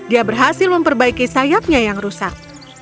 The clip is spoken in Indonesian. dia berhasil memperbaiki sayapnya yang rusak